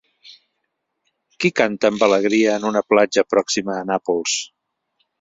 Qui canta amb alegria en una platja pròxima a Nàpols?